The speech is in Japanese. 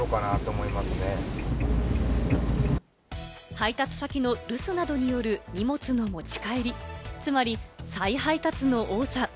配達先の留守などによる荷物の持ち帰り、つまり再配達の多さ。